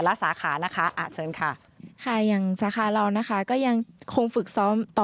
พี่พี่พี่พี่พี่พี่พี่พี่พี่พี่พี่พี่พี่พี่